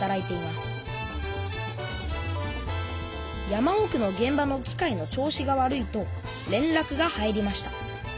山おくのげん場の機械の調子が悪いと連らくが入りました。